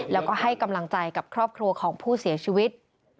แล้วก็ให้กำลังใจกับครอบครัวของผู้เสียชีวิต